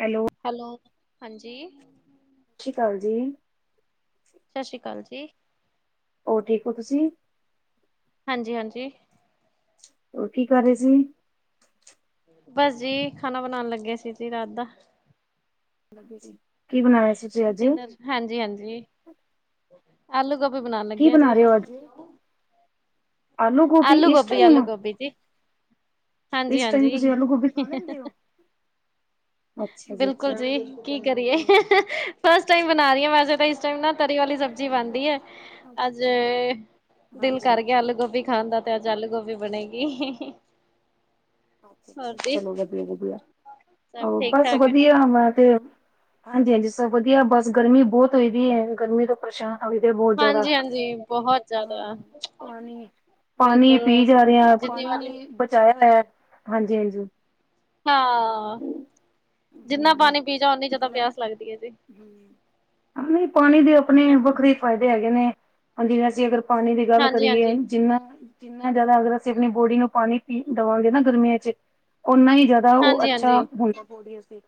Hello. Hello ਹਾਂਜੀ। ਸਤਿ ਸ਼੍ਰੀ ਅਕਾਲ ਜੀ। ਸਤਿ ਸ਼੍ਰੀ ਅਕਾਲ ਜੀ। ਹੋਰ ਠੀਕ ਹੋ ਤੁਸੀਂ? ਹਾਂਜੀ -ਹਾਂਜੀ। ਹੋਰ ਕੀ ਕਰ ਰਹੇ ਸੀ? ਬਸ ਜੀ, ਖਾਣਾ ਬਣਾਉਣ ਲੱਗੇ ਸੀ ਸੀ ਰਾਤ ਦਾ। ਕੀ ਬਣਾਇਆ ਤੁਸੀ ਅਜ? ਹਾਂਜੀ- ਹਾਂਜੀ ਆਲੂ ਗੋਭੀ ਬਣਾਉਣ ਕੀ ਲੱਗੇ ਆਂ ਬਣਾ ਜੀ। ਰਹੇ ਹੋ ਅੱਜ? ਆਲੂ ਗੋਭੀ ਇਸ ਟਾਈਮ? ਬੀਜੀ। ਹਾਂਜੀ- ਇਸ ਟਾਈਮ ਤੁਸੀਂ ਹਾਂਜੀ ਆਲੂ ਗੋਭੀ ਖਾ ਲੈਂਦੇ ਹੋ? ਅੱਛਾ ਬਿਲਕੁਲ ਅੱਛਾ। ਜੀ। ਕੀ ਕਰੀਏ? ਫਸਟ ਟਾਈਮ ਬਣਾ ਰਹੀ ਆ ਵੈਸੇ ਤੇ। ਚੰਗਾ ਤਰੀ ਵਾਲੀ ਸਬਜ਼ੀ ਬਣਦੀ ਏ, ਅੱਜ ਅੱਛਾ-ਅੱਛਾ, ਦਿਲ ਕਰ ਗਿਆ ਹਾਂਜੀ-ਹਾਂਜੀ। ਆਲੂ ਗੋਭੀ। ਖਾਂਦਾ, ਤੇ ਅੱਜ ਆਲੂ ਗੋਭੀ ਬਣੇਗੀ। ਹੋਰ ਜੀ। ਚਲੋ ਵਧੀਆ -ਵਧੀਆ ਸਭ ਬਸ ਠੀਕ-ਠਾਕ, ਵਧੀਆ ਮੈਂ ਤੇ ਹਾਂਜੀ -ਹਾਂਜੀ ਸਭ ਵਧੀਆ, ਬਸ ਗਰਮੀ ਬਹੁਤ ਹੋਈ ਦੀਏ ਗਰਮੀ ਤੋਂ ਪਰੇਸ਼ਾਨ ਹੋ ਤੇ ਬਹੁਤ ਜ਼ਿਆਦਾ, ਹਾਂਜੀ-ਹਾਂਜੀ ਬਹੁਤ ਹਾਂ ਜ਼ਿਆਦਾ ਪਾਣੀ। ਪਾਣੀ ਬਿਲਕੁਲ ਪੀ ਜਾ ਰਿਹਾ ਜਿੰਨੀ ਪਾਣੀ ਵਾਰੀ ਨੇਹੀ ਬਚਾਇਆ ਹੋਇਆ, ਹਾਂਜੀ -ਹਾਂਜੀ! ਹਾਂ। ਜਿੰਨਾ ਪਾਣੀ ਪੀ ਜਾ ਓਨੀ ਜਿਆਦਾ ਪਿਆਸ ਲੱਗਦੀ ਹੈ ਜੀ। ਹਮ। ਹਾਂ ਨੀਪਾਣੀ ਦੇ ਆਪਣੇ ਵੱਖਰੇ ਫ਼ਾਇਦੇ ਹੈਗੇ ਨੇ, ਜਿਵੇਂ ਅਸੀਂ ਅਗਰ ਪਾਣੀ ਦੀ ਗੱਲ ਕਰੀਏ ਹਾਂਜੀ-ਹਾਂਜੀ, ਜਿੰਨਾ ਜਿੰਨਾ ਜ਼ਿਆਦਾ ਅਗਰ ਅਸੀਂ ਆਪਣੀ ਬੋਡੀ ਨੂੰ ਪਾਣੀ ਪੀ ਦੇਵਾਂਗੇ ਨਾ ਗਰਮੀਆਂ ਚ ਓਨਾ ਹੀ ਜ਼ਿਆਦਾ ਉਹ ਅੱਛਾ ਹਾਂਜੀ-ਹਾਂਜੀ ਹੁੰਦਾ ਬੋਡੀ ਵਾਸਤੇ,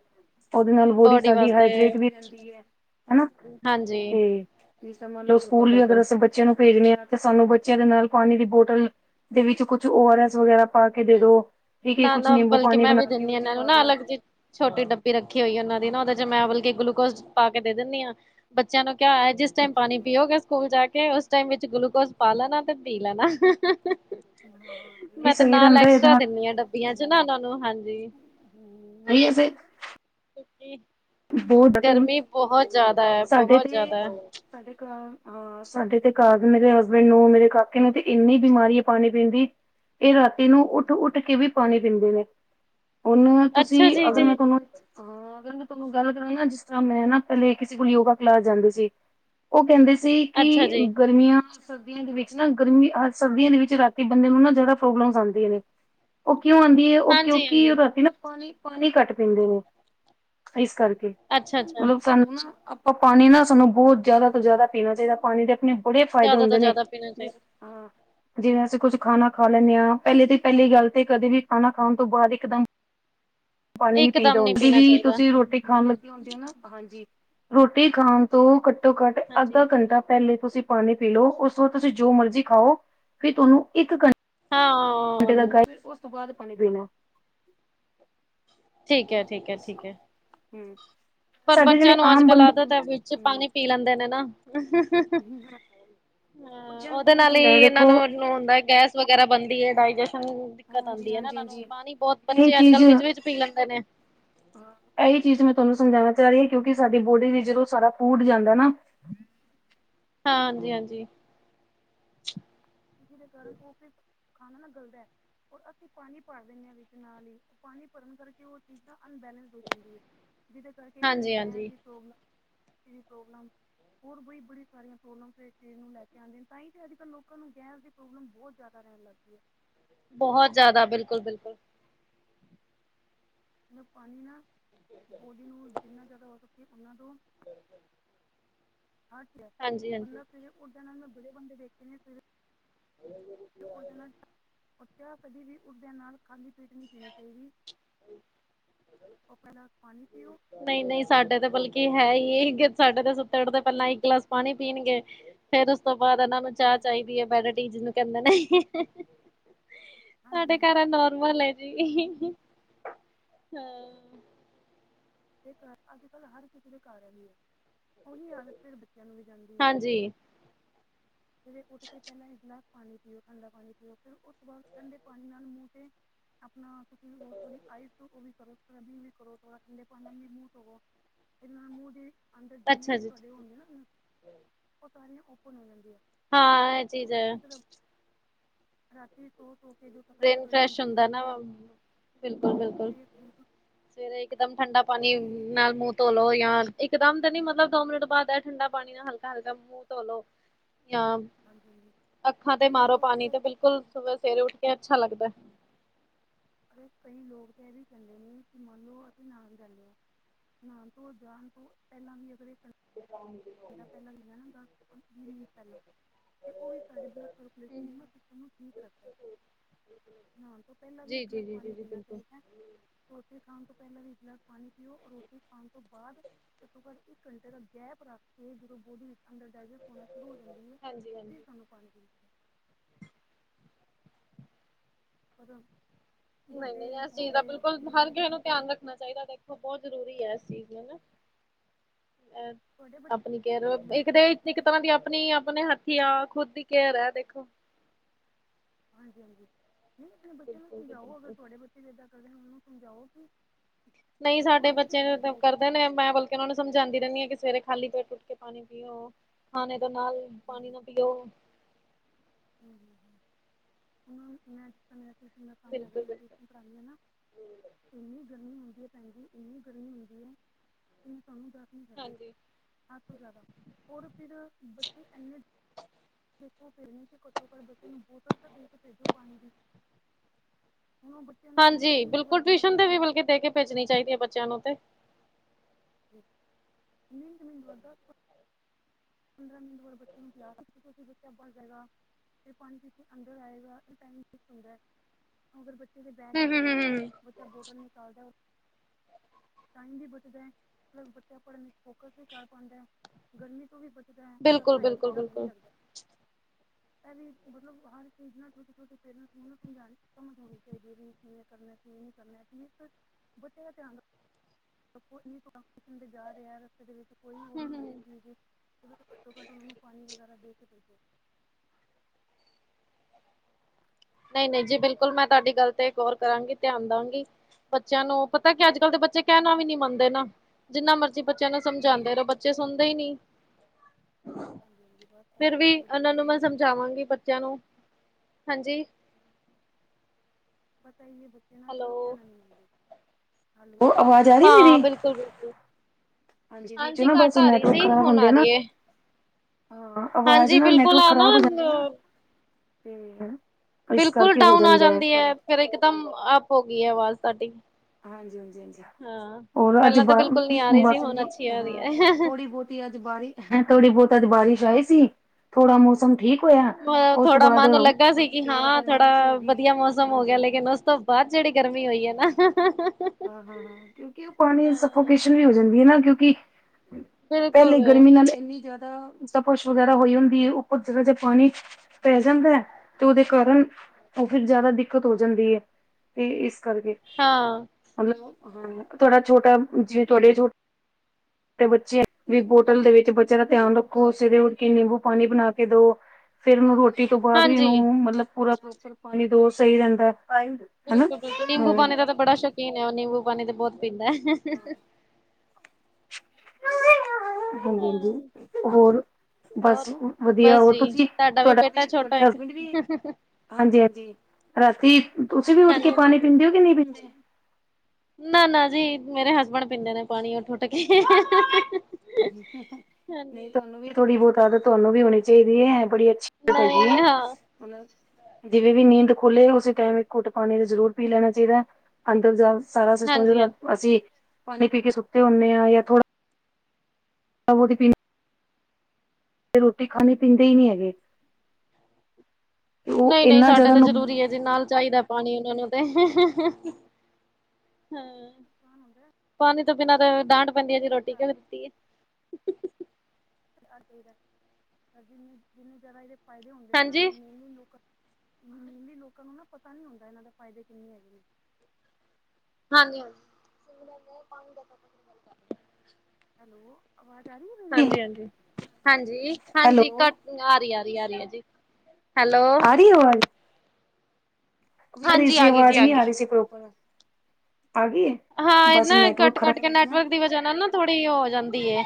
ਉਹਦੇ ਨਾਲ ਬੋਡੀ ਸਾਡੀ ਹਡ੍ਰਟ ਵੀ ਰਹਿੰਦੀ ਹੈ। ਹਨਾ, ਹਾਂਜੀ। ਤੇ ਜੇ ਮੰਨ ਲਵੋ ਸਕੂਲ ਵੀ ਅਗਰ ਬਿਲਕੁਲ-ਬਿਲਕੁਲ, ਅਸੀਂ ਬ ਬੱਚਿਆਂ ਨੂੰ ਭੇਜਨੇ ਆਂ ਤੇ ਸਾਨੂੰ ਬੱਚਿਆਂ ਦੇ ਨਾਲ ਪਾਣੀ ਦੀ ਬੋਤਲ ਦੇ ਵਿੱਚ ਕੁਛ ਓ ਆਰ ਐਸ ਵਗੈਰਾ ਪਾ ਕੇ ਦੇ ਦੋ, ਠੀਕ ਕੁਛ ਨਾ-ਨਾ ਨਿੰਬੂ ਬਲਕਿ ਪਾਣੀ ਮੈਂ ਬਣਾ ਵੀ ਕੇ ਦਿੰਦੀ ਹਾਂ ਵਿੱਚ ਇਹਨਾਂ ਨੂੰ ਪਾ ਨਾ ਦੋ। ਅਲੱਗ ਜੀ ਛੋਟੀ ਡੱਬੀ ਰੱਖੀ ਹੋਈ ਆ ਉਹਨਾਂ ਦੀ ਨਾ ਉਹਦੇ ਮੈਂ ਬਲ ਕੇ ਗਲੂਕੋਜ ਪਾ ਕੇ ਦੇ ਦਿੰਦੀ ਹਾਂ, ਬੱਚਿਆਂ ਨੂੰ ਕਿਹਾ ਹੈ ਜਿਸ ਟਾਈਮ ਪਾਣੀ ਪੀਓਗੇ ਸਕੂਲ ਜਾ ਕੇ ਉਸ ਟਾਈਮ ਵਿੱਚ ਗਲੂਕੋਜ ਪਾ ਲੈਣਾ ਨਹੀਂ ਤੇ ਪੀ ਲੈਣਾ। ਮੈਂ ਤੇ ਸਹੀ ਨਾਲ ਰਹਿੰਦਾ ਇਹਦੇ ਐਕਸਟਰਾ ਨਾਲ ਦੇਨੀ ਆ ਡ ਏਚ ਨਾ ਉਹਨਾਂ ਨੂੰ ਹਾਂਜੀ, ਨਹੀਂ ਕਿਉਕੀ ਦੋ ਢੱਕਨ ਬਹੁਤ ਜ਼ਿਆਦਾ ਐ- ਬਹੁਤ ਜ਼ਿਆਦਾ ਐ। ਸਾਡੇ ਘਰ ਅ ਹ ਸਾਡੇ ਤੇ ਘਰ ਮੇਰੇ ਹਸਬੈਂਡ ਨੂੰ ਮੇਰੇ ਕਾਕੇ ਨੂੰ ਤੇ ਇੰਨੀ ਬਿਮਾਰੀ ਐ ਪਾਣੀ-ਪੀਣ ਦੀ ਇਹ ਰਾਤੀ ਨੂੰ ਉੱਠ-ਉੱਠ ਕੇ ਵੀ ਪਾਣੀ ਪੀਂਦੇ ਨੇ। ਹੁਣ ਨਾ ਤੁਸੀਂ ਅੱਛਾ ਅਗਰ ਮੈਂ ਜੀ-ਜੀ। ਤੁਹਾਨੂੰ ਹਾਂ ਅਗਰ ਮੈਂ ਤੁਹਾਨੂੰ ਗੱਲ ਕਰਾਂ ਨਾ ਜਿਸ ਤਰ੍ਹਾਂ ਮੈਂ ਨਾ ਪਹਿਲੇ ਕਿਸੇ ਕੋਲ ਯੋਗਾ ਕਲਾਸ ਜਾਂਦੀ ਸੀ ਉਹ ਕਹਿੰਦੇ ਸੀ ਕਿ ਅੱਛਾ ਜੀ। ਗਰਮੀਆਂ ਸਰਦੀਆਂ ਦੇ ਵਿੱਚ ਨਾ ਗਰਮੀ ਹ ਸਰਦੀਆਂ ਦੇ ਵਿੱਚ ਰਾਤੀ ਕ ਬੰਦੇ ਨੂੰ ਨਾ ਜਿਆਦਾ ਪ੍ਰੋਬਲਮਸ ਆਉਂਦੀਆਂ ਨੇ ਉਹ ਕਿਉਂ ਆਦੀ ਹੈ ਉਹ ਕਿਉਂਕਿ ਉਹ ਹਾਂਜੀ-ਹਾਂਜੀ, ਰਾਤੀ ਨਾ ਪਾਣੀ-ਪਾਣੀ ਘਟ ਪੀਦੇ ਨੇ ਇਸ ਕਰਕੇ ਅੱਛਾ ਅੱਛਾ। ਮਤਲਬ ਸਾਨੂੰ ਨਾ ਆਪਾਂ ਪਾਣੀ ਨਾ ਸਾਨੂੰ ਬਹੁਤ ਜ਼ਿਆਦਾ ਤੋਂ ਜ਼ਿਆਦਾ ਪੀਣਾ ਚਾਈਦਾ ਪਾਣੀ ਦੇ ਆਪਣੇ ਬੜੇ ਫਾਇਦੇ ਜ਼ਿਆਦਾ ਤੋਂ ਹੁੰਦੇ ਨੇ, ਜ਼ਿਆਦਾ ਪੀਣਾ ਜਿਸ ਚਾਹੀਦਾ। ਹਾਂ ਜਿਵੇਂ ਅਸੀਂ ਕੁੱਝ ਖਾਣਾ ਖਾ ਲੈਂਦੇ ਆ ਪਹਿਲੇ ਤਾਂ ਪਹਿਲੀ ਗੱਲ ਤੇ ਕਦੇ ਵੀ ਖਾਣਾ ਖਾਣ ਤੋਂ ਬਾਅਦ ਇੱਕਦਮ ਪਾਣੀ ਨੀ ਇਕਦਮ ਪੀਦਾ ਹੁੰਦਾ, ਪੀਣਾ ਜਿਵੇਂ ਕਿ ਚਾਹੀਦਾ, ਤੁਸੀਂ ਹੂੰ, ਰੋਟੀ ਖਾਣ ਲੱਗ ਹੂੰ, ਦੇ ਹੋ ਨਾ, ਹਾਂਜੀ ਰੋਟੀ ਖਾਣ ਤੋਂ ਘੱਟੋ ਘੱਟ ਹਾਂਜੀ। ਅੱਧਾ ਘੰਟਾ ਪਹਿਲੇ ਤੁਸੀਂ ਪਾਣੀ ਪੀਓ ਉਸ ਤੋਂ ਬਾਅਦ ਤੁਸੀਂ ਜੋ ਮਰਜੀ ਖਾਓ। ਫੇਰ ਤੁਹਾਨੂੰ ਇੱਕ ਘੰ ਹਾਂ ਰੋਟੀ ਨਾਲ ਖਾਓ ਤੇ ਉਸ ਬਾਅਦ ਪਾਣੀ ਪੀ ਲੈਣਾ। ਠੀਕ ਐ, ਠੀਕ ਐ, ਠੀਕ ਐ। ਹੂੰ ਪਰ ਸਾਡੇ ਜਿਹੜੇ ਬੱਚਿਆਂ ਨੂੰ ਆਮ ਅੱਜ-ਕੱਲ ਆਦਤ ਐ ਵਿੱਚ ਪਾਣੀ ਬੰਦੇ ਪੀ ਲੈਂਦੇ ਨੇ ਨਾ। ਹਾਂ ਬੱਚਿਆਂ ਨੂੰ ਉਹਦੇ ਕੌਣ ਨਾਲ ਸਮਝਾਏ ਏ ਐਨ ਨਾਂ ਦੇਖੋ ਨੂੰ ਹੁੰਦਾ ਗੈਸ ਵਗੈਰਾ ਬਣਦੀ ਐ ਡਾਇਜੈਸ਼ਨ ਦਿੱਕਤ ਹਾਂਜੀ ਆਉਂਦੀ ਐ ਨਾ ਹਾਂਜੀ ਇਨ੍ਹਾਂ ਹਾਂਜੀ ਨੂੰ ਪਾਣੀ ਬਹੁਤ ਇਹੀ ਬੱਚੇ ਚੀਜ਼ ਅੱਜ-ਕੱਲ੍ਹ ਵਿੱਚ-ਵਿੱਚ ਪੀ ਲੈਂਦੇ ਨੇ। ਇਹੀ ਚੀਜ਼ ਮੈਂ ਤੁਹਾਨੂੰ ਸਮਝਾਉਣਾ ਚਾਹ ਰਹੀ ਹਾਂ ਕਿਂਉਕਿ ਸਾਡੀ ਬੋਡੀ ਵਿੱਚ ਜਦੋਂ ਸਾਰਾ ਫੂਡ ਜਾਂਦਾ ਨਾ ਹਾਂ ਹਾਂਜੀ ਹਾਂਜੀ। ਜਿਹਦੇ ਕਾਰਨ ਉਹ ਫਿਰ ਖਾਣਾ ਨਾ ਗਲਦਾ ਐ। ਔਰ ਅਸੀਂ ਪਾਣੀ ਭਰ ਦਿੰਦੇ ਹਾਂ ਵਿੱਚ ਨਾਲ ਈ ਪਾਣੀ ਭਰਨ ਕਰਕੇ ਉਹ ਚੀਜ਼ਾਂ ਅਨਬੈਲੈਂਸ ਹੋ ਜਾਦੀ ਏ, ਜਿਹਦੇ ਕਰਕੇ ਫਿਰ ਗੈਸ ਹਾਂਜੀ-ਹਾਂਜੀ, ਦੀ ਪ੍ਰਾਬਲਮ, ਉਲਟੀ ਦੀ ਪਰੋਬਲਮ ਹੋਰ ਬੜੀ- ਬੜੀ ਸਾਰੀਆਂ ਪ੍ਰੋਬਲਮ ਇਸ ਚੀਜ਼ ਨੂੰ ਲੈ ਕੇ ਆਉਂਦਿਆਂ ਤਾਂ ਹੀ ਤੇ ਅੱਜ- ਕੱਲ੍ਹ ਲੋਕਾਂ ਨੂੰ ਗੈਸ ਦੀ ਪਰੋਬਲਮ ਬੋਹਤ ਜਿਆਦਾ ਰਹਿਣ ਲੱਗੀ ਐ। ਬੋਹਤ ਜ਼ਿਆਦਾ ਬਿਲਕੁਲ ਬਿਲਕੁਲ। ਮਤ ਪਾਣੀ ਨਾ ਬੋਡੀ ਨੂੰ ਜਿੰਨਾ ਜ਼ਿਆਦਾ ਹੋ ਸਕੇ ਉਹਨਾਂ ਦੋ ਹਾਟ ਚ ਐ, ਹਾਂਜੀ-ਹਾਂਜੀ। ਬੰਦਾ ਸਵੇਰੇ ਉਠ ਦਾ ਨਾਲ ਬੜੇ ਬੰਦੇ ਵੇਖੇ ਨੇ ਸਵੇਰੇ ਉਸਦੇ ਨਾਲ, ਚਾਹ ਕਦੀ ਵੀ ਉੱਠਦਿਆਂ ਨਾਲ ਖਾਲੀ ਪੇਟ ਨਈ ਪੀਣੀ ਚਾਹੀਦੀ। ਉਹ ਪਹਿਲਾਂ ਪਾਣੀ ਪੀਓ ਨਈ-ਨਈ ਸਾਡੇ ਤਾਂ ਬਲਕਿ ਹੈ ਇੱਕ ਗਲਾਸ ਏਹੀ ਕੇ ਸਾਡੇ ਤੇ ਸੁੱਤੇ ਉੱਠਦੇ ਪਹਿਲਾਂ ਇੱਕ ਗਲਾਸ ਪਾਣੀ ਪੀਣਗੇ ਫੇਰ ਉਸ ਤੋਂ ਬਾਅਦ ਇਹਨਾਂ ਨੂੰ ਚਾਹ ਪੀਓ। ਚਾਈਦੀ ਹੈ ਬੈਡ ਬੈਡ ਟੀ ਜਿਨੂੰ ਕਹਿੰਦੇ ਨੇ, ਹਾਂਜੀ ਸਾਡੇ ਹਾਂਜੀ ਘਰ ਐ ਹਾਂਜੀ ਨੋਰਮਲ ਐ ਜੀ। ਹਾਂ ਤੇ ਘਰ ਅੱਜ- ਕੱਲ੍ਹ ਹਰ ਕਿਸੇ ਦੇ ਘਰ ਏਹੀ ਏ, ਉਹੀ ਆਦਤ ਫਿਰ ਬੱਚਿਆਂ ਨੂੰ ਵੀ ਜਾਂਦੀ ਐ। ਹਾਂਜੀ ਸਵੇਰੇ ਉੱਠ ਕੇ ਪਹਿਲਾਂ ਇੱਕ ਗਿਲਾਸ ਪਾਣੀ ਪੀਓ ਠੰਡਾ ਪਾਣੀ ਪੀਓ ਫਿਰ ਉਸ ਤੋਂ ਬਾਅਦ ਠੰਡੇ ਪਾਣੀ ਨਾਲ ਮੂੰਹ ਤੇ ਆਪਣਾ ਤੁਸੀਂ ਉਹ ਥੋੜੀ ਆਈਸ ਉਹ ਵੀ ਸਕਰਬੀ ਵੀ ਕਰੋ ਥੋੜਾ ਠੰਡ ਦਾ ਮੂੰਹ ਧੋਵੋ ਇਦੇ ਨਾਲ ਮੂੰਹ ਦੀ ਅੰਦਰ ਜਿੰਨੀ ਅੱਛਾ ਵੀ ਜੀ ਤੁਹਾਡੇ ਉਹ ਹੁੰਦੇ ਨਾ ਉਹ ਸਾਰੀਆਂ ਓਪਨ ਹੋ ਜਾਂਦੀਆਂ ਹਾਂ ਇਹ ਜਦੋਂ ਚੀਜ਼ ਹੈ। [unintelligible] ਤਰਬ ਰਾਤੀ ਧੋ-ਧੋ ਕੇ ਜੋ ਦੇਨ ਥਕਾਵਟ ਹੋਈ ਫਰੈਸ਼ ਹੁੰਦੀ ਹੈ ਮਤਲਬ ਹੁੰਦਾ ਨਾ ਫੇਸ ਬਿਲਕੁਲ-ਬਿਲਕੁਲ ਫੇਸ ਬਿਲਕੁਲ ਸਵੇਰੇ ਇਕ ਦਮ ਠੰਡਾ ਪਾਣੀ ਦੀ ਤੇ ਨਾਲ ਮੂ ਧੋਲੋ ਯਾ ਇਕਦਮ ਤਾਂ ਨੀ ਮਤਲਬ ਦੋ ਮਿੰਟ ਬਾਦ ਐ ਠੰਡਾ ਪਾਨੀ ਨਾਲ ਹਲਕਾ-ਹਲਕਾ ਮੂੰਹ ਧੋਲੋ। ਯਾ ਹਾਂਜੀ ਹਾਂਜੀ ਅੱਖਾਂ ਤੇ ਕਈ ਮਾਰੋ ਲੋਕ ਪਾਨੀ ਤੇ ਬਿਲਕੁਲ ਸਵੇਰੇ ਉੱਠ ਕੇ ਅੱਛਾ ਲੱਗਦਾ। ਅਰੇ ਕਈ ਲੋਕ ਤੇ ਐ ਵੀ ਕੇਂਦੇ ਨੇ ਕਿ ਮੰਨ ਲੋ ਅਸੀ ਆ ਵੀ ਜਾਨੇ ਆ। [unintelligible] ਪੈਲਾ ਵੀ ਅਗਰ [unintelligible] ਦਾ ਪਹਿਲਾਂ ਵੀਦਾ ਨਾ [unintelligible] ਪੈਲਾ। ਤੇ ਉਹ ਵੀ ਸਾਡੇ ਬਲੱਡ [unintelligible] ਠੀਕ ਰੱਖਦਾ। ਨਾਨ ਤੋ ਪੈਲਾਂ ਵੀ ਜੀ, ਜੀ, ਗਲਾਸ ਜੀ, ਜੀ, ਪਾਨੀ ਜੀ ਪੀਣਾ ਬਿਲਕੁਲ। ਚਾਈਦਾ। ਰੋਟੀ ਖਾਣ ਤੋਂ ਪੈਲਾਂ ਵੀ ਗਲਾਸ ਪਾਨੀ ਪੀਓ ਰੋਟੀ ਖਾਣ ਤੋਂ ਬਾਦ ਘੱਟੋ ਘੱਟ ਇੱਕ ਘੰਟੇ ਦਾ ਗੇਟ ਰਖ ਫੇਰ ਜਦੋਂ ਬੋ ਵਿੱਚ ਅੰਦਰ ਡਾਇਜਸਟ ਹੋਣਾ ਸ਼ੁਰੂ ਹੋ ਜਾਂਦੀ ਏ ਹਾਂਜੀ, ਫੇਰ ਹਾਂਜੀ। ਸਾਨੂੰ ਪਾਨੀ ਪੀ ਕਦੋਂ ਨਈ-ਨਈ ਏਸ ਚੀਜ਼ ਦਾ ਬਿਲਕੁਲ ਹਰ ਕਿਸੇ ਨੂੰ ਬੰਦੇ ਧਿਆਨ ਰੱਖ ਨਾ ਚਾਈਦਾ ਦੇਖੋ ਬਹੲਤ ਜ਼ਰੂਰੀ ਐ ਇਸ ਚੀਜ਼ ਨੂੰ ਨਾ। ਤੁਹਾਡੇ ਬੱਚੇ ਅਪਣੀ ਕੇਅਰ ਦਾ ਇੱਕ ਕੁਝ ਤਾਂ ਇੱਕ ਨਹੀਂ ਤਰ੍ਹਾਂ ਦੀ ਅਪਣੀ ਅਪਣੇ ਹੱਥੀ ਆ ਖੁਦ ਦੀ ਕੇਅਰ ਐ ਦੇਖੋ। ਹਾਂਜੀ-ਹਾਂਜੀ ਨੀ ਅਪਣੇ ਬੱਚਿਆਂ ਨੂੰ ਬਿਲਕੁਲ ਜੀ ਸਮਝਾਓ ਅਗਰ ਬਿਲਕੁਲ ਤੁਹਾਡੇ ਬੱ ਚੇ ਜਿਦਾਂ ਕਰਦੇ ਨੇ ਉਨਾ ਸਮਝਾਓ ਕਿ ਨਈ ਸਾਡੇ ਪਾਣੀ ਦੀ ਬੱਚੇ ਐਵੇਂ ਜ਼ਰੂਰਤ ਹੈ ਕਰਦੇ ਨੇ ਮੈਂ ਬਲ ਉਹਨਾਂ ਨੂੰ ਸਮਝਾਉਂਦੀ ਰੇਨੀ ਆ ਕਿ ਸਵੇਰੇ ਖਾਲੀ ਪੇਟ ਉੱਠ ਕੇ ਪਾਨੀ ਪੀਓ ਖਾਣੇ ਦੇ ਨਾਲ ਪਾਨੀ ਨਾ ਪੀਓ। [inaudible] ਕਿਨਾ ਕਾਮ ਹੇਗਾ ਬਿਲਕੁਲ, ਮੈੰ ਬਿਲਕੁਲ ਟਯੁਸ਼ਧ ਪੜਾਨੀ ਆ ਨਾ। ਇੰਨੀ ਗਰਮੀ ਹੁੰਦੀ ਹੈ ਭੈਣ ਜੀ ਇੰਨੀ ਗਰਮੀ ਹੁੰਦੀ ਹੈ ਹਾਂਜੀ। ਸਭ ਤੋਂ ਜਾਦਾ ਹੋਰ ਫਿਰ ਬੱਚੇ ਏਨੇ [inaudible] ਦੇਖੋ ਪਏ ਤੇ ਕੂ ਬੱਚੇ ਨੂੰ ਬੋਤਲ ਤੇ ਦੇ ਕੇ ਭੇਜੋ ਪਾਣੀ ਦੀ ਹੁਣ ਉਹ ਨੂੰ ਮਿੰਟ ਹਾਂਜੀ ਮਿੰਟ ਬਾਅਦ ਬਿਲਕੁਲ ਪਿਆਸ ਟਿਊਸ਼ਨ ਤੇ ਲੱਗਦੀ ਵੀ ਬਲਕੀ ਦੇ ਕੇ ਭੇਜਣੀ ਚਾਈਦੀ ਏ ਬੱਚਿਆਂ ਨੂੰ ਤੇ। ਮਿੰਟ-ਮਿੰਟ [unintelligible] ਪੰਦਰਾਂ ਮਿੰਟ ਬਾ ਬੱਚੇ ਨੂੰ ਕਿਆ ਕੀ ਤੁ ਬੱਚਾ ਬਚ ਜਾਏਗਾ। [unintelligible] ਅੰਦਰ ਆਏਗਾ ਇਕ ਟੈਮ ਫਿਕਸ ਹੇਗੇ ਅਗਰ ਬੱਚੇ ਦੇ ਬੈਗ ਹੂੰ, ਇਚ ਹੂੰ, ਹੇਗਾ ਹੂੰ, ਹੂੰ। ਬ ਬੋਟਲ ਨਿਕਲਦਾ ਉਹ ਟਾਈਮ ਵੀ ਬੱਚਦਾ। ਮਤਲਬ ਬੱਚਾ ਪੜ੍ਹਨ ਵਿੱਚ ਫੋਕਸ ਵੀ ਕਰ ਪਾਂਦਾ, ਗਰਮੀ ਤੋਂ ਵੀ ਬਚਦਾ ਔਦਾ ਬਿਲਕੁਲ, ਪੜ੍ਹਾਈ ਚ ਬਿਲਕੁਲ, ਧਿਆਨ ਹੀ ਵੀ ਬਿਲਕੁਲ ਲੱਗਦਾ। ਏ ਵੀ ਮਤਲਬ ਹਰ ਚੀਜ਼ ਨਾਲ ਛੋਟੇ-ਛੋਟੇ ਪੇਰੈਂਟਸ ਨੂੰ ਸਮਝ ਸਮਝ ਹੋਣੀ ਚਾਈਦੀ ਏ ਵੀ ਕਿਵੇ ਕਰਨਾ ਚਾਈਏ ਨੀ ਕਰਨਾ ਚਾਈਏ ਬੱਚੇ ਦਾ ਧਿਆਨ ਰ [inaudible] ਜਾ ਰਿਆ ਰਸਤੇ ਦੇ ਵਿੱਚ ਕੋਈ [unintelligible] ਵਿੱਚ ਘੱਟੋ-ਘੱਟ ਉਨਾ ਨੂੰ ਪਾਨੀ ਵਗੈਰਾ ਦੇ ਕੇ ਭੇਜੋ। ਨਈ-ਨਈ ਜੀ ਬਿਲਕੁਲ ਮੈਂ ਤੁਹਾਡੀ ਗੱਲ ਤੇ ਗੌਰ ਕਰਾਂਗੀ ਧਿਆਨ ਦਵਾਂਗੀ ਬੱਚਿਆਂ ਨੂੰ ਪਤਾ ਕਿ ਅੱਜ ਹਾਂਜੀ ਕੱਲ ਦੇ ਬੱਚੇ ਕੇਣਾ ਵੀ ਨੀ ਮੰਨਦੇ ਨਾ ਜਿੰਨਾ ਮਰਜ਼ੀ ਬੱਚਿਆਂ ਨੂੰ ਹੁਣ ਅੰਦਰ ਸਮਝਾਉਂਦੇ ਰੋ ਬ ਚੇ ਸੁਣਦੇ ਈ ਨੀ। ਹਾਂਜੀ ਹਾਂਜੀ ਬਸ ਇਹੀ ਫਿਰ ਵੀ ਉਹਦੀ ਉਹਨਾਂ ਨੂੰ ਮੈਂ ਪ੍ਰੋਬਲਮ ਹੋ ਗਈ ਸਮਝਾਵਾਂਗੀ ਬੱਚਿਆਂ ਨੂੰ, ਹਾਂਜੀ ਪਤਾ ਹੀ ਹੈ ਬੱਚੇ ਨੇ ਅੱਜ ਕਲ ਹੈਲੋ ਕਿਆਣਾ ਨੀ ਹੰਦੇ [inaudible] ਉਹ, ਆਵਾਜ਼ ਆ ਰਹੀ ਹਾਂ ਮੇਰੀ ਬਿਲਕੁਲ-ਬਿਲਕੁਲ ਹਾਂਜੀ, ਵਿਚ ਨਾ ਬੱਸ ਘੱਟ ਆ ਰਹੀ ਨੈਟਵਰਕ ਸੀ ਖਰਾਬ ਹੁਣ ਹੁੰਦੇ ਆ ਰਹੀ ਨਾ। ਏ ਹਾਂ, ਆਵਾਜ਼ ਹਾਂਜੀ ਨਾ ਬਿਲਕੁਲ ਨੈਟਵਰਕ ਆ ਨਾ ਖਰਾਬ ਹੋ ਜਾਂਦੀ ਨਾ ਤੇ ਇਸ ਬਿਲਕੁਲ ਕਰਕੇ ਹੋ ਡਾਊਨ ਆ ਜਾਂਦਾ ਜਾਂਦੀ ਹੈ, ਫਿਰ ਫੇਰ ਇੱਕ ਦਮ ਅਪ ਹੋ ਗਈ ਹੈ। ਆਵਾਜ਼ ਤਾਡੀ ਹਾਂਜੀ, ਹਾਂਜੀ ਹਾਂ ਹੋਰ ਅੱਜ ਪਹਿਲਾਂ ਬ ਤਾਂ ਬਿਲਕੁਲ ਨੀ ਆ ਰਹੀ ਸੀ ਬੱਸ ਹੁਣ ਨੀ ਅੱਛੀ ਆ ਰਹੀ ਹਾਂ ਹੈ। ਥੋੜੀ ਬਹੁਤ ਅੱਜ ਬਾਰਸ਼ ਹੈਂ, ਥੋੜੀ ਬਹੁਤ ਅੱਜ ਬਾਰਿਸ਼ ਆਈ ਸੀ। ਥੋੜਾ ਮੌਸਮ ਠੀਕ। ਹੋਇਆ ਅ ਉਸ ਤੋਂ ਥੋੜਾ ਬਾਅਦ ਮਨ ਲੱਗਾ ਸੀ, ਬਸ ਕਿ ਫੇਰ ਹਾਂ ਗਰਮੈਸ਼ ਥੋੜਾ ਹੋ ਗਈ ਵਧੀਆ ਮੌਸਮ ਹੋ ਹਾਂਜੀ ਗਿਆ। ਲੇਕਿਨ ਉਸ ਤੋਂ ਬਾਅਦ ਚ ਜਿਹੜੀ ਗਰਮੀ ਹੋਈ ਹੈਨਾ। ਹਾਂਜੀ [unintelligible] ਹਾਂ ਕਿਉਂਕਿ, ਉਹ ਪਾਣੀ ਸਫੋਕੇਸ਼ਨ ਵੀ ਹੋ ਜਾਂਦੀ ਹੈਨਾ। ਕਿਉਂਕਿ? ਪਹਿਲੇ ਬਿਲਕੁਲ ਗਰਮੀ ਨਾਲ ਇੰਨੀ ਜ਼ਿਆਦਾ ਸਫਸ਼ ਵਗੈਰਾ ਹੋਈ ਹੁੰਦੀ ਹੈ। ਉੱਪਰ ਜਰਾ ਜੇਹਾ ' ਪਾਣੀ ਪੈ ਜਾਂਦਾ‌ ਐ, ਤੇ ਉਹਦੇ ਕਾਰਨ ਉਹ ਫਿਰ ਜ਼ਿਆਦਾ ਦਿੱਕਤ ਹੋ ਜਾਂਦੀ ਏ। ਤੇ, ਇਸ ਕਰਕੇ। ਹਾਂ। ਮਤਲਬ ਤੁਹਾਡਾ ਛੋਟਾ, ਜਿਵੇਂ ਤੁਹਾਡੇ ਛੋ- [unintelligible] ਤੇ ਬੱਚੇ ਵੀ, ਬੋਟਲ ਦੇ ਵਿੱਚ ਬੱਚਿਆਂ ਦਾ ਧਿਆਨ ਰੱਖੋ। ਸਵੇਰੇ ਉੱਠ ਕੇ ਨਿੰਬੂ ਪਾਣੀ ਬਣਾ ਕੇ ਦਿਓ। ਫੇਰ, ਉਹਨੂੰ ਰੋਟੀ ਤੋਂ ਬਾਅਦ ਵੀ ਹਾਂਜੀ ਉਹਨੂੰ ਮਤਲਬ ਪੂਰਾ ਪਾਣੀ ਦੋ, ਸਹੀ ਰਹਿੰਦਾ ਆਏ। ਬਿਲਕੁਲ-ਬਿਲਕੁਲ ਨਿੰਬੂ ਪਾਣੀ ਦਾ ਤਾਂ ਬੜਾ ਸ਼ੌਕੀਨ ਹੈ ਉਹ, ਨਿੰਬੂ ਪਾਣੀ ਤੇ ਬਹੁਤ ਪੀਂਦਾ। [unintelligible] [inaudible] ਹਾਂਜੀ-ਹਾਂਜੀ, ਹੋਰ। [unintelligible] ਹੋਰ ਬੱਸ ਵਧੀਆ, ਬਸ ਹੋਰ ਜੀ ਤੁਸੀਂ ਤੁਹਾਡਾ ਵੀ ਬੇਟਾ ਤੁਹਾਡੇ ਛੋਟਾ ਇੱਕ ਹਸਬੈਂਡ ਵੀ - ਹਾਂਜੀ-ਹਾਂਜੀ, ਰਾਤੀ ਤੁਸੀਂ ਵੀ ਉੱਠ ਕੇ ਪਾਣੀ ਹਾਂਜੀ ਪੀਂਦੇ ਹੋ। ਕਿ ਨਹੀਂ ਪੀਂਦੇ? ਨਾ-ਨਾ, ਜੀ ਮੇਰੇ ਹਸਬੈਂਡ ਪੀਂਦੇ ਨੇ ਪਾਣੀ ਉੱਠ-ਉੱਠ ਕੇ। [unintelligible] ਨਹੀਂ ਹਾਂਜੀ ਤੁਹਾਨੂੰ ਵੀ, ਥੋੜੀ ਬਹੁਤ ਆਦਤ ਤੁਹਾਨੂੰ ਵੀ ਹੋਣੀ ਚਾਹੀਦੀ ਹੈ, ਬੜੀ ਅੱਛੀ ਆਦਤ ਹੈਗੀ ਏ। ਨਹੀਂ ਹਾਂ ਜਿਵੇਂ ਵੀ ਨੀਂਦ ਖੁੱਲ੍ਹੇ, ਉਸੇ ਟਾਈਮ ਘੁੱਟ ਪਾਣੀਦਾ ਜ਼ਰੂਰ ਪੀ ਲੈਣਾ ਚਾਹੀਦਾ। ਅੰਦਰ ਜਾ, ਸਾਰਾ ਸਿਸਟਮ ਹਾਂਜੀ ਜਦੋਂ ਹਾਂਜੀ ਅਸੀਂ ਪਾਣੀ ਪੀ ਕੇ ਸੁੱਤੇ ਹੁੰਨੇ ਹਾਂ, ਜਾਂ ਥੋੜਾ ਰੋਟੀ ਖਾਣੇ ਪੀਂਦੇ ਹੀ ਨਹੀਂ ਹੈਗੇ। [unintelligible] ਉਹ ਨਹੀਂ ਨਹੀਂ ਇੰਨਾ ਸਾਡੇ ਜਿਆਦਾ ਤਾਂ ਨੂੰ ਜ਼ਰੂਰੀ ਹੈ ਨਾਲ ਚਾਹੀਦਾ ਪਾਣੀ ਉਹਨਾਂ ਨੂੰ ਤੇ [unintelligible] ਨੁਕ ਪਾਣੀ ਤੋਂ ਬਿਨਾਂ ਤੇ ਡਾਂਡ ਪੈਂਦੀ ਹੈ ਕੀ, ਰੋਟੀ ਕਯੋ ਦਿੱਤੀਏ। ਜਿੰਨੇ ਜਿੰਨੇ ਜ਼ਿਆਦਾ ਇਹਦੇ ਫਾਇਦੇ ਹੁੰਦੇ ਨਾ ਹਾਂਜੀ ਇ [inaudible] ਮੇਨਲੀ ਲੋਕਾਂ ਨੂੰ ਨਾ ਪਤਾ ਨੀ ਹੁੰਦਾ, ਇਹਨਾਂ ਦੇ ਫਾਇਦੇ ਕਿੰਨੇ ਹੈਗੇ ਨੇ। ਹਾਂਜੀ [unintelligible] ਹੈਲੋ, ਆਵਾਜ਼ ਆਰੀਏ। ਹਾਂਜੀ-ਹਾਂਜੀ, ਹੈਲੋ ਹਾਂਜੀ-ਹਾਂਜੀ ਕੱਟ ਆਰੀਂ, ਆਰੀ, ਆਰੀਏ ਜੀ, ਹੈਲੋ। ਆਰੀ ਏ ਅਵਾਜ। ਪਹਿਲੇ ਨਹੀਂ ਹਾਂਜੀ ਸੀ, ਆ ਗਈ ਜੀ ਆਵਾਜ਼ ਨਹੀਂ ਗਈ। ਆ ਰਹੀ ਸੀ ਕੋ, ਆ ਗਈਏ। [unintelligible] ਹਾਂ, ਇਹ ਨਾ ਕੱਟ-ਕੱਟ ਕੇ ਨੈਟਵਰਕ ਦੀ ਵਜ੍ਹਾ ਨਾਲ ਨਾ, ਥੋੜੀ ਔ ਜਾਂਦੀ ਏ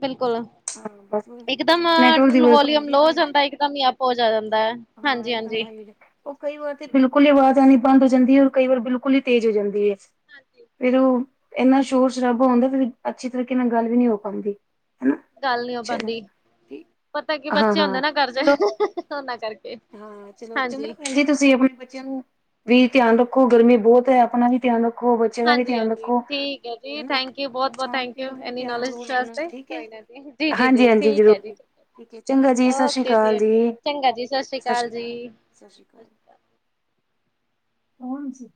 ਬਿਲਕੁਲ। ਹਾਂ ਬਸ ਇਕ ਦਮ ਨੈਟਵਰਕ ਦੀ ਵਜ੍ਹਾ ਸੇ ਵੋਲਯਮ ਹੁੰਦੀ ਹੈ ਲੋਅ ਹੋ ਫਿਰ ਜਾਂਦਾ, ਇੱਕ ਦਮ ਹੀ ਅਪ ਹੋ ਜਾ ਜਾਂਦਾ। ਹਾਂ, ਇੱਕਦਮ ਹਾਂਜੀ-ਹਾਂਜੀ। ਭਾਈ ਉਹ ਕਈ ਵਾਰ ਤੇ ਬਿਲਕੁਲ ਹੀ ਆਵਾਜ਼ ਆਨੀ ਬਂਦ ਹੋ ਜਾਂਦੀਏ, ਔਰ ਕਈ ਵਾਰ ਬਿਲਕੁਲ ਹੀ ਤੇਜ਼ ਹੋ ਜਾਂਦੀਏ। ਫੇਰ ਉਹ ਇੰਨਾ ਸ਼ੋਰ ਸ਼ਰਾਬਾ ਹੁੰਦਾ, ਫਿਰ ਅੱਛੀ ਤਰੀਕੇ ਨਾਲ ਗੱਲ ਵੀ ਨਹੀ ਹੋ ਪੈਂਦੀ। ਗੱਲ ਨੀ ਹੋ ਪਾਉਦੀ, ਪਤਾ ਕੀ ਹਾਂ ਬੱਚੇ ਹੁੰਦੇ ਨਾ ਘਰ ਦੇ, ਉਹਨਾਂ ਕਰਕੇ ਹੁੰ, ਚਲੋ ਹਾਂਜੀ। ਤੁਸੀਂ ਆਪਣੇ ਬੱਚਿਆਂ ਨੂੰ ਵੀ ਧਿਆਨ ਰੱਖੋ, ਗਰਮੀ ਬਹੁਤ ਹੈ ਆਪਣਾ ਵੀ ਧਿਆਨ ਰੱਖੋ। ਰੱਖੋ ਬੱਚੇ ਦਾ ਵੀ ਧਿਆਨ ਹਾਂਜੀ-ਹਾਂਜੀ ਰੱਖੋ ਠੀਕ ਹੈ ਜੀ ਹੁੰ, ਥੈਂਕ ਯੂ ਆਪਣਾ ਬਹੁਤ-ਬਹੁਤ ਥੈਂਕ ਯੂ ਖਾਣ-ਪੀਣ ਦਾ ਵੀ ਇੰਨੀ ਧਿਆਨ ਨੌਲੇਜ ਜ਼ਰੂਰ ਰੱਖਣਾ, ਵਾਸਤੇ। ਠੀਕਏ। ਕੋਈ ਨਾ ਜੀ ਜੀ-ਜੀ-ਜੀ ਹਾਂਜੀ-ਹਾਂਜੀ, ਠੀਕ ਹੈ ਜ਼ਰੂਰ ਜੀ ਠੀਕ ਹੈ ਚੰਗਾ ਜੀ, ਸਤਿ ਸ੍ਰੀ ਓਕੇ ਅਕਾਲ ਓਕੇ ਜੀ। ਚੰਗਾ ਜੀ ਸਤਿ ਸ਼੍ਰੀ ਸਸ਼੍ਰੀ ਜੀ। ਅਕਾਲ, ਸਤਿ ਸਸ਼੍ਰੀ ਅਕਾਲ। ਕੋਣ ਸੀ